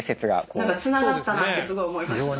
何かつながったなってすごい思いました。